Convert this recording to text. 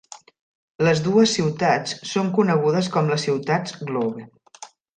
Les dues ciutats són conegudes com les "ciutats Glove".